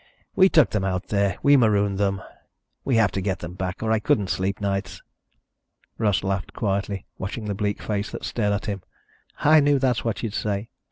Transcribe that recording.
We took them out there. We marooned them. We have to get them back or I couldn't sleep nights." Russ laughed quietly, watching the bleak face that stared at him. "I knew that's what you'd say."